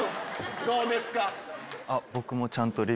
どうですか？